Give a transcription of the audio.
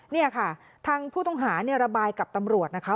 นี่ค่ะทางผู้ต้องหาระบายกับตำรวจนะคะ